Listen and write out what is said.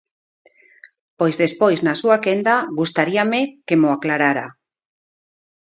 Pois despois na súa quenda gustaríame que mo aclarara.